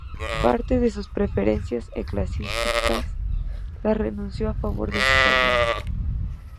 Parte de sus preferencia eclesiásticas, las renunció a favor de sus sobrinos.